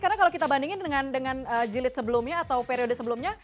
karena kalau kita bandingin dengan jilid sebelumnya atau periode sebelumnya